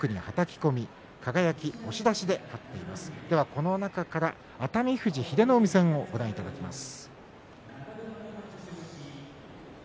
この中から熱海富士英乃海戦をご覧いただきます。